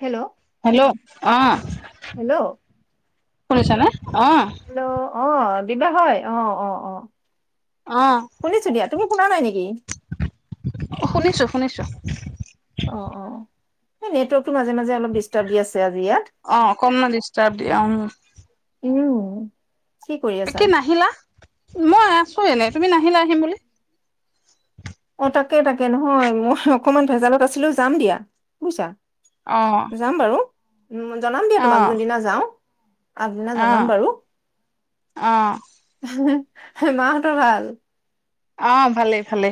Hello hello অ hello শুনিছা নে? অহ? হেল্ল' অ দিবা হয় অ অ অ। অ শুনিছো দিয়া তুমি শুনা নাই নেকি? শুনিছো শুনিছো। অ অ সেই নেটৱৰ্ক অঁ কম দিচষ্টাৰ দিয় অঁ উম কি কৰি আছা একে নাহিলা মই আছো এনে তুমি নাহিলা আহিম বুলি অ তাকে তাকে নহয় মই অকমান ভেজালত আছিলো যাম দিয়া বুজিছা অ যাম বাৰু উ জনাম দিয়া অ তোমাক যোনদিনা যাওঁ আপুনাক অ জনাম বাৰু অ মাহঁতৰ ভাল অঁ ভালেই ভালে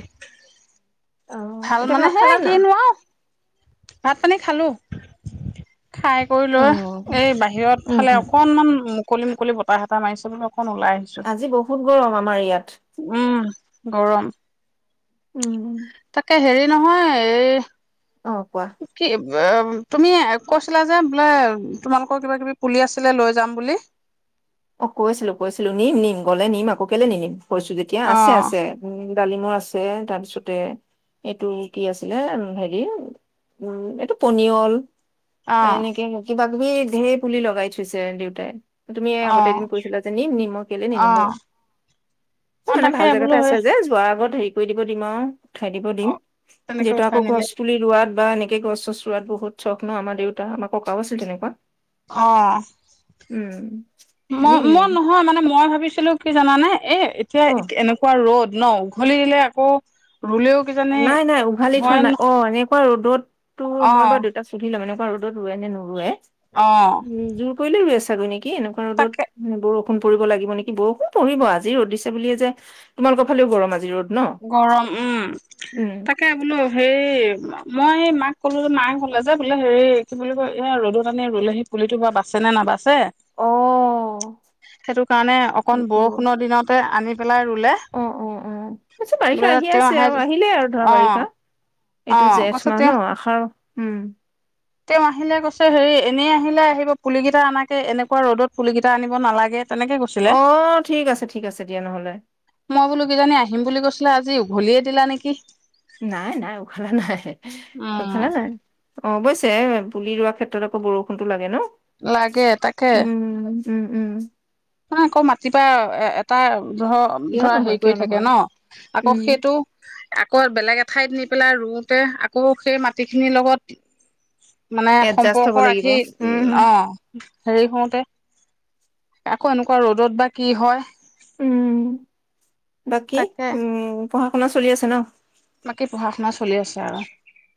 অ ভাল এতিয়া মানে ভাত হে খালা নাই কিনোৱা ভাত পানী খালো খাই কৰি অ লৈ এই বাহিৰত উম ফালে উম অকনমান মুকলি বতাহ এটা মাৰিছে বোলো অকন ওলাই আহিছো আজি বহুত গৰম আমাৰ ইয়াত উম গৰম উম তাকে হেৰি নহয় এ অঁ কোৱা এ তুমি কৈছিলা যে বোলে তোমালোকৰ কিবা কিবি পুলি আছিলে লৈ যাম বুলি অঁ কৈ আছিলো কৈছিলো নিম নিম গ'লে নিম আকৌ কেলে নি নিম এতিয়া আছে অ', আছে উম ডালিমৰ আছে তাৰপিছতে এইটো কি আছিলে হেৰি উম এইটো পনিয়ল অ', এনেকৈ কিবা তি ঢেৰ পুলি লগাই থৈছে দেউতাই তুমি আগ অ', গৈছিলে কৈছিলা যে নিম নিম কেলে নিনিম বাও অ', অ', মানে তাকে ভাল বোলো জেগাতেটা হয় আছে যে যোৱাৰ আগত হেৰি হ কৰি দিব দিম উ খাই দিব দিম অ', তেনেকে যিহেতু উঠাই আকৌ নিলে গছ তুলি ৰোৱাত বা এনে গছ চছ ৰোৱাত বহুত চখ ন আমাৰ দেউতা আমাৰ ককাও আছিল তেনেকুৱা অ', উম মই নিম মই নিম নহয় মানে মই মই ভাবিছিলো কি জানে এ এতিয়া অ এনেকুৱা ৰ'দ ন উঘালি দিলে আকৌ ৰুলেও অ কিজানি নাই নাই উঘালি থোৱা হয় ন নাই অ এনে ৰ'দত তো মই অ', বাৰ দেউতাসুধি লম এনে কোৱা আৰু ত ৰোৱে নে নোৰোৱে অ', উম জোৰ কৰিলে গৈ আছে চাগু কি এনেকুৱা ৰ'দত তাকে ব খুন পৰিব লাগিব নেকি বৰুখুণ পৰিব আজি ৰ'দ দিছে বুলিয়ে যে তোমালোকৰ ফালেও গৰম আজি ৰ'দ ন গৰম উম উম। তাকে বোলো সেই মই মাক ক'লো যে মায়ে হলে যে বোলে হেৰি কি বুলি কয় এ ৰ'দত আনি ৰুলেহি পুলি থবা বাচছে নে নাবাচ অ'। সেইটো কাৰণে অকণ সেইটো বৰষুণৰ দিনতে আনি পেলাই ৰুলে অ অ অ আচছা বোলে বাৰিষা আহি তেওঁ আছে আহে আৰু আহিলে আৰু ধৰা অ বাৰিষা অ এইটো জেঠ কৈছে মাহ তেওঁ ন আহাৰ উম তেওঁ আহিলে কৈছে হেৰি এনেই আহিলে আহিব পুল কেইটা আনাকে এনেকুৱা ৰ'দত পুলুলি কেইটা আনিব নালাগে তেনেকে গৈছিলে অ' ঠিক আছে ঠিক আছে দিয়া নহ'লে মই বোলো কিজানি আহিম বুলি কৈছিলে আজি যি উঘলিয়ে দিলা নেকি নাই নাই উঘালা নাই উম উঘালা নাই অ অৱশ্যে পুলি ৰোৱা ক্ষেত্ৰত আকৌ বৰষুণ টো লাগে ন লাগে তাকে উম উম উম নহ আকৌ মাতিপা এ তাৰ ধৰ কিয় ধৰা হেৰি নহয় কৰি কিয় থাকে নহয় ন আকৌ উম সেইটো আকৌ বেলেগ এঠাইত নি পেলাই ৰোওঁতে আকৌ সেই মাটিখিনিৰ লগত মানে এডজাষ্ট হব সম্পৰ্ক লাগিব ৰাখি উম অ হেৰি হওঁতে আকৌ এনেকুৱা ৰ'দত বা কি হয় উম বাকী তাকে উম পঢ়া শুনা চলি আছে ন বাকী পঢ়া শুনা চলি আছে আৰু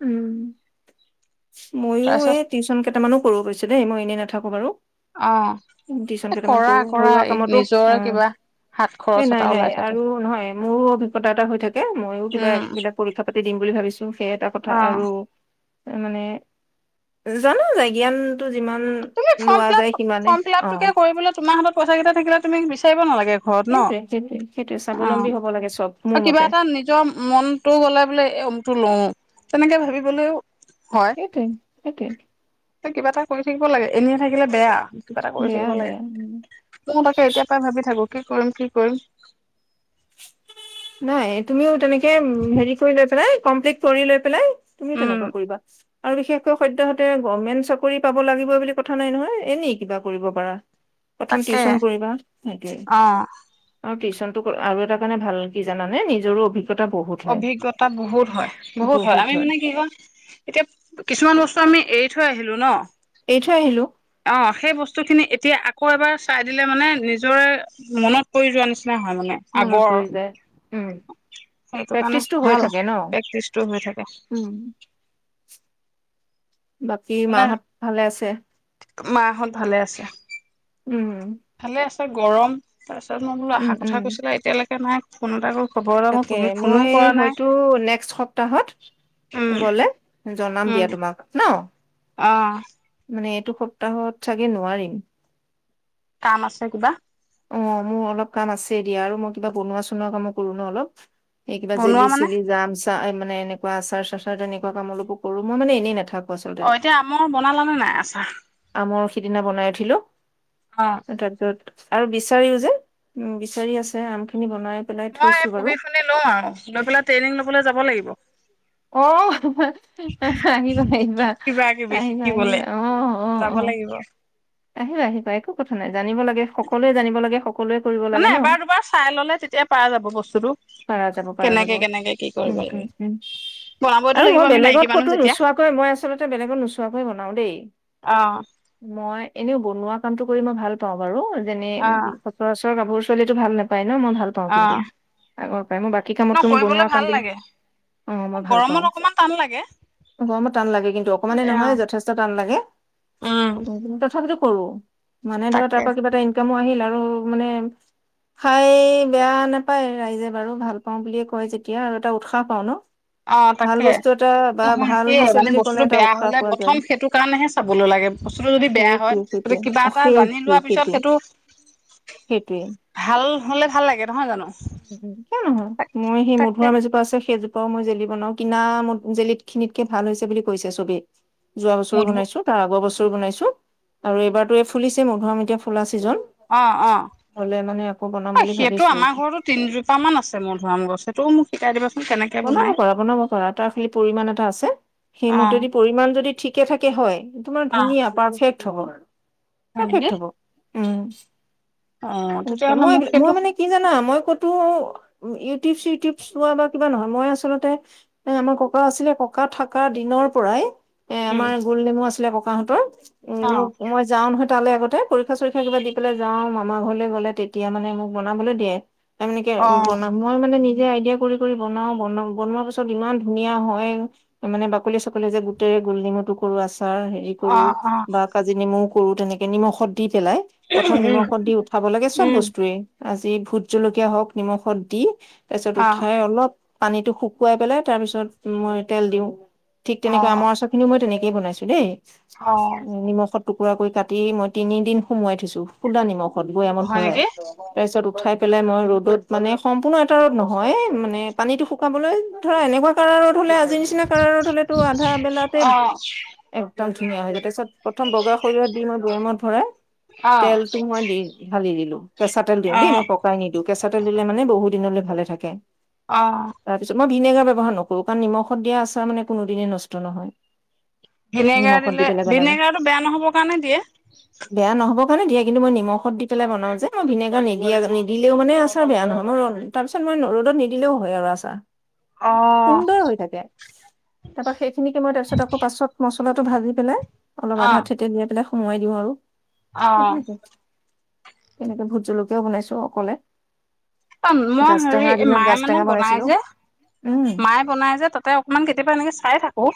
উম ময়ো তাৰপিছত এই টিউশচন কেইটামানো কৰো গৈছো দেই মই এনে নাথাকো বাৰু অ টিউচন কেইটামান কৰা কৰো কৰা ঘৰুৱা কামতো অ নিজৰে কিবা হাত এ খৰচ নাই এটা নাই ওলাই থাকে আৰু নহয় মোৰো অভিজ্ঞতা এটা হৈ থাকে ময়ো উম কিবাবিলাক পৰীক্ষা পাতি দিম বুলি ভাবিছো সেই এটা কথা কথা অ আৰু মানে জানো যায় জ্ঞানতো তুমি ফৰ্ম ফিলাপ ফৰ্ম অ ফিলাপটোকে কৰিবলৈ তোমাৰ হাতত পইচাকেইটা থাকিলে তুমি বিচাৰিব নালাগে ঘৰত ন সেইটোৱে সেইটোৱে সেইটোৱে স্বাৱলম্বী হব লাগে চব মোৰ অ মতে কিবা এটা নিজৰ মনতটো গলে বোলে ত লো তেনেকে ভাবিবলৈও সেইটোৱেই সেইটোৱেই ত কিবা এটা কৰি থাকিব লাগে এনেই থাকিলে বেয়া কিবা এটা কৰি বেয়া থাকিব বেয়া উম। লাগে মই তাকে এতিয়া পৰাই ভাবি থাকো কি কৰিম কি কৰিম নাই তুমিও তেনেকে হেৰি কৰি লৈ পেলাই কমপ্লিট কৰি লৈ পেলাই তুমিও উম তেনেকুৱা কৰিবা আৰু বিশেষকৈ সদ্যহতে গভমেণ্ট চাকৰি পাব লাগিব বুলি কথা নাই নহয় এনেই কিবা কৰিব পাৰা প্ৰথম তাকে টিউচন কৰিবা সেইটোৱেই অ আৰু টিউচ নটো আৰু এটাৰ কাৰণে ভাল কি জানানে নিজৰো অভিজ্ঞ অভিজ্ঞতা বহুত হয় বহুত হয় আমি মানে কি হয় এতিয়া কিছুমান বস্তু আমি এৰি থৈ আহিলোঁ ন এৰি থৈ আহিলো অ সেই বস্তু খিনি এতিয়া আকৌ এবাৰ চাই দিলে মানে নিজৰে মনত পৰি যোৱা নিচি না হয় মানে মনত আগৰ পৰি যায় উম সেইটো কাৰণে প্ৰেক্টিচটো হৈ ভাল থাকে আৰু ন প্ৰেক্টিচটো হৈ থাকে উম বাকী মানে মাহত ভালে আছে মা হত ভালে আছে উম এ গৰম তাৰপিছ মই বোলো অহা উম কথা উম কৈছিলে এতিয়ালৈকে নাই ফোন এটাও তাকে মই হয়তো নেক্সট সপ্তাহত উম গলে জনাম দিয়া তোমাক ন আহ মানে এইটো সপ্তাহত চাগে নোৱাৰিম কাম আছে কিবা অ মোৰ অলপ কাম আছে এতিয়া আৰু মই কিবা বনোৱা চনোৱা কামো কৰো ন অলপ সেই কিবা জেলি বনোৱা মানে চেলি জাম চা মানে এনেকুৱা আচাৰ চাচাৰ তেনেকুৱা কাম অলপো কৰো মই মানে এনেই নাথাকো আচলতে অ এতিয়া আমৰ বনালানে নাই আচাৰ আমৰ সিদিনা বনাই উঠিলো। অ তাৰপিছত আৰু বিচাৰিও যে উ', বিচাৰি আছে, আম খিনি বনাই পেলাই মই থৈছো বাৰু পঢ়ি শুনি লও আৰু লৈ পেলাই ট্ৰেইনিং লবলৈ যাব লাগিব। অ', আহ', কিবা কিবি আহিবা-আহিবা-আহিবা-আহিবা শিকিবলে যাব আহ-আহ-আহ, লাগিব আহিবা-আহিবা একো কথা নাই জানিব লাগে, সকলোৱে জানিব লাগে। সকলোৱে কৰিব মানে লাগে ন এবাৰ দুবাৰ চাই ললে তেতিয়া পাৰা যাব বস্তুটো। পাৰা যাব পাৰা যাব কেনেকে উ', কেনেকে কি কৰিব লাগে উম', বনাবতো আৰু লাগিব মই আমি বেলেগত মাইকী মানুহ কতো যেতিয়া নোচোৱাকৈ মই আচলতে বেলেগত নোচোৱাকৈয় বনাও দেই অ মই এনে বনোৱা কামটো কৰি মই ভাল পাওঁ বাৰু। যেনে অ চ ৰ গভৰু ছোৱালীো ভাল নাপায়। ন মই ভাল পাওঁ অ কিন্তু। আগৰ পৰাই তাই ন বাকিকামত কিনো কৰিবলৈ বনুৱা ভাল কামত লাগে অ', ভাল পাওঁ, গৰমত অকমান টান লাগে মই বৰ টান লাগে অকন মানই অ নহয় যথেষ্ট টান লাগে। উম কৰো মানে ধৰা তাৰ তাকে পৰা কিবা এটা ইনকামো আহিল আৰু। আৰু মানে খাই বেয়া নাপায় ৰাইজে। বাৰু ভাল পাও বুলিয়ে কয় যেতিয়া আৰু এটা উৎসাহ পাও ন। অ', ভাল তাকে বস্তু এটা বা নহয় ভাল সেয়াই হৈছে মানে বুলি ক'লে বস্তুটো এটা বেয়া উৎসাহ হ'লে পোৱা প্ৰথম যায় সেইটো কাৰণেহে চাবলৈ লাগে। বস্তুটো যদি বেয়া হয় সেইটোৱে সেইটোৱে কিবা অ এটা জানি সেইটো লোৱা পিছত সেইটো সেইটোৱে ভাল। হ'লে ভাল লাগে নহয় জানো। কিয় নহয় মই সেই তাকে মধুৰিয়াম এজোপা আছে সেইজোপাও মই যে বনাও কিনা ম জেলিত খিনিতকে ভাল হৈছে বুলি কৈছে ছবি যোৱা বছৰো মধু বনাইছো। তাৰ আগৰ বছৰ বনাইছো আৰু এইবাৰতো এই ফুলিছে মধুৰিআম এয়া ফুল আছে। চিজন অ অ হলে মানে আকৌ বনাম বুলি ভাবিছো। তিনিজোপা মান আছে মোৰ অধুৰিআম গছ সেইটোও মোক শিকাই দিব বনাব পাৰা বনাব পাৰা তাৰ খালি পৰিমণ এটা আছে অ সেইমতেদি পৰিমাণ যদি ঠিক থিকে থাকে হয়। তোমাৰ ধুনীয়া পাৰফে ব [unintelligible] ন নেকি। উম', অ তেতিয়াহ'লে মই মোক মই সেইটো মানে কি জানা মই কতো টপছ ই টিপছ হোৱা বা কিবা নহয় মই আচলতে এ আমাৰ ককা আছিলে ককা থকা দিনৰ পৰাই এ উম আমাৰ গোল নেমু আছিলে ককাহঁতৰ উম অ মোক মই যাওঁ নহ তালে আগতে পৰীক্ষা চৰীক্ষা কিবা দি পেলাই যাও মামা ঘৰলৈ গ'লে তেতিয়া মানে মোক বনাবলৈ দিয়ে ত মেকে অ বনাম মই মানে নি আইিয়া কৰি বনাও ব বনোৱা পিছত ইমান ধুনীয়া হয় মানে বাকলি চাকলি যে গোটতেৰে গোল নমু টো কৰো আছে াৰ হেৰি কৰো অ অ বা কাজি নিমুখ কৰো তেনেকে নিমখত দি পেলাই প্ৰথম উম নিমখত দি উঠাব লাগে চম উম বস্তুৱয়ে আজি ভোট জলকীয়া হওক নিমখত দি তাৰপিছত অ উঠাই অলপ পানীটো শুকুৱাই পেলাই তাৰ পিছত মই তেল দিওঁ ঠিক অ তেনেক আমাৰ আচ খি মই তেনে েই বনাইছো দেই অ উ নিমখত টুকুৰা কৰি কাটি মই তিনিদিন সোমোৱাই থৈছো খুলা নিমখ সত গৈ আমত হয় ভৰাই নেকি তাৰপিছত উঠাই পেলাই মই ৰ'দত মানে সম্পূৰ্ণ এটা ৰ'দ নহয় মানে পানীতটো শুকাবলৈ ধৰা এনেকুৱা কাৰণ হলে আজি নিচিনা কাৰত হলে তো আধা বেলাতে অ এক্দম ধুনীয়া হৈ য তাৰিছত প্ৰথম বগা সৰিয়হ দি মই বৈয়ামত ভৰাই অ তেলতটো মই দি হালি দিলো কেঁচা তেল দিওঁ অ দেই মই পকাই নিদিওঁ কেঁচা তেল দিলে মানে বহুত দিনলৈ ভালে থাকে আহ তাৰপিছত মই ভিনেগাৰ ব্যৱহাৰ নকৰো কাৰণ নিমখত দিয়া আচাৰ মানে কোনোদিনে নষ্ট নহয় ভিনেগাৰ নিমখত দি দিলে পেলাই বনালে ভিনেগাৰটো বেয়া নহ'ব কাৰণে দিয়ে হয়ে দিয়া কিন্তু মই নিমখ দি পেলাই বনাওঁ যে মই ভিনেগাৰ নিদিয় নিদিলে মে আচাৰ বে নহ মই তাৰপিছ মই ৰ'দত নি দিলেও হয় আৰু আছা অ সুন্দৰ হৈ থাকে তাৰপা সেইখিনিকে মই তাৰ পিছত আকৌ পাছত মছলাটো ভাজি পেলাই অলপ অ আধা থেতে দিয়াই পেলাই সোমোৱাই দিওঁ আৰু অ এবক এনেকে ভোট জলকীয়াও বনাইছো অকলে মই গাজ হেৰি টেঙাৰ দিনত মায়ে গাজ ম টেঙা [unintelligible] বনাই বনাইছিলোঁ যে। উম মায়ে বনাই যে তাতে অকমান কেতিয়াবা এনেকে চাই থাকো।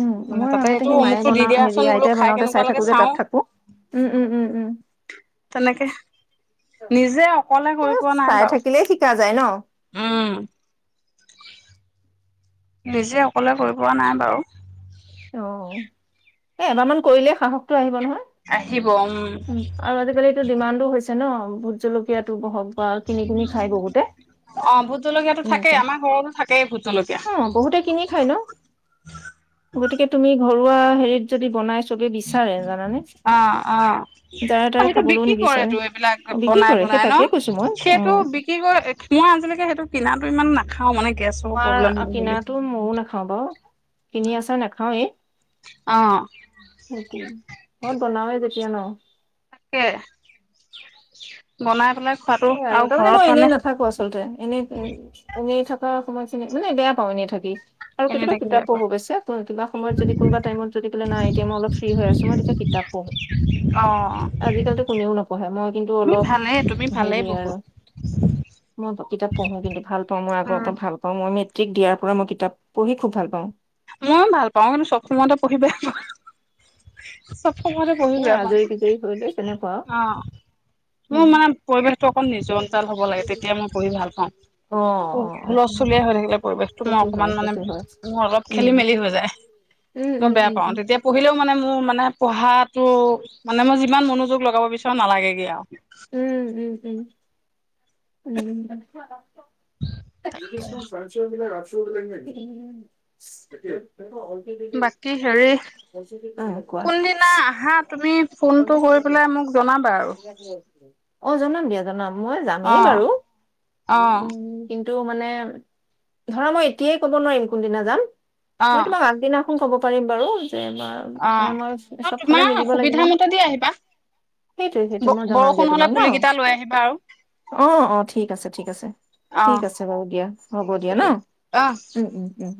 উম মানে মই তাতে আগতে এইটো সেই মায়ে অমুকটো দি বনাওঁ--হেৰি দিয়াচোন বোলো আইতাই খাই বনাওতে কেনেকুৱা চাই লাগে থাকো যে চাও তাত থাকো। উম-উম-উম-উম তেনেকে নিজে অকলে এ কৰি পোৱা নাই চাই বাৰু থাকিলে শিকা যায় ন? উম নিজে সকোৱলে কৰি পোৱা নাই বাৰু। অ এ এবাৰমান কৰিলে সাহসটো আহিব নহয়। আহিব, উম। টো ডিমাণ্ডো হৈছে ন? ভোট জলকীয়াাতো বহক অ ভোট জলকীয়াাতটো থাকেই, এনেকুৱা। আমাৰ ঘৰতো থাকেই ভোট জলকীয়া। অ', বহুতে কিনি খাই ন গতিকে তুমি ঘৰুৱা হেৰিত যদি বনাইছ অ-অ অ যাৰে তাৰে সেইটো খাবলৈও বিক্ৰী কৰে নিবিচাৰে তো এইবিলাক অ', বিক্ৰী কৰে সেই বনাই-বনাই ন? তাকেই কৈছো মই সেইটো উম। বিক্ৰী কৰে মই আজিলৈকে সেইটো কিনাটো ইমান নাই খাওঁ মানে গেছৰ প্ৰব্লেম তোমাৰ হয় বুলি কিনা ময়ো নাখাও বাৰু, কিনি আছাৰ নাখাও এই। অ সেইটো, ঘৰত বনাওৱে যদি ন [unintelligible] তাকে। বনাই পেলাই খোৱাটো সেইয় আৰু, তাৰমানে ঘৰত মই এনেই মানে নাথাকো আচলতে। এনেই-এনেই থাকো সময়খিনি মানে বেয়া পাওঁ, এনে থকি। আৰু এনে কেতিয়াবা থাকি কিতাপ বেয়া পঢ়ো অবইছে, [unintelligible] কিবা সময়ত যদি কোনোবা টাইমত যদি নাই এতিয়া মই অলপ ফ্ৰী হৈ আছো, মই তেতিয়া কিতাপ পঢ়ো। পাওঁ অ আজ কালো কোনেও নপঢ়ে মই কিন্ত তুমি অলপ ভালেই তুমি সেই ভালেই দে আৰু। বহুত কিতাপ পঢ়ো কিন্তু, ভাল পাওঁ মই আগৰ উম ওপৰত ভাল পাওঁ মই মেট্ৰিক দিয়াৰ পৰা মই কিতাপ পঢ়ি খুব ভাল পাওঁ। ময়ো ভাল পাওঁ, কিন্তু চব সময়তে পঢ়িব চবকতে পঢ়ি এ বেয়া পাওঁ। আজৰি বিজৰি হৈ লৈ তেনেকুৱা আৰু। অ মোৰ উম মানে পৰিৱেশটো অকণ নিজৰ নিজান হব লাগে, তেতিয়া মই পঢ়ি ভাল পাওঁ। অ অ অ হুলস্থস্থুলীয়া হৈ থাকিলে পৰিৱেশটো মই সেইটো অকণমান হয় মানে সেইটো হয় মোৰ অলপ খেলি উম মেলি হৈ যায়। উম মই উম বেয়া উম পাও, উম তেতিয়া পঢ়িলেও মানে মোৰ মানে পঢ়া টো, মানে মই যিমান মনোযোগ লগাব বিচাৰো নালাগেগে আৰু। উম-উম। উ, উ। [unintelligible] চ [unintelligible] বাকী হেৰি কোৱা কোনদিনা আহা তুমি। ফোনটো কৰি পেলাই মোক জনাবা আৰু অ জনাম দিয়া জনাম। মই অ যামেই বাৰু অ উ কি। টো মানে ধৰা মই এতিয়াই ক'ব নোৱাৰিম কোনদিনা যাম। মই অ তোমাক আগদিনা ক'ব পাৰিম বাৰু। মই অ মানে মই অ চব ফালে তোমাৰ মিলিব সুবিধা লাগিব। মতে দি আহিবা সেইটোৱে ব সেইটো মই জনাম বৰষুণ দিয়া হলে তোমাক ন পুলি কেইটা লৈ আহিবা আৰু অ অ ঠিক আছে ঠিক আছে অ ঠিক আছে বাৰু দিয়া হ'ব ঠিক আছে দিয়া ন অ উম উম উম।